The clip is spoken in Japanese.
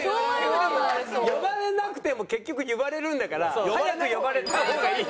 呼ばれなくても結局言われるんだから早く呼ばれた方がいい。